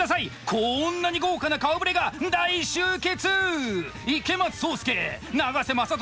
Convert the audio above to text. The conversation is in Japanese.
こんなに豪華な顔ぶれが大集結！